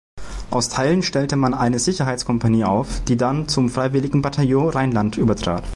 Aus Teilen stellte man eine Sicherheits-Kompanie auf, die dann zum Freiwilligen-Bataillon Rheinland übertrat.